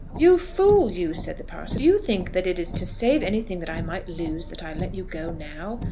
"You fool, you!" said the parson. "Do you think that it is to save anything that I might lose, that I let you go now?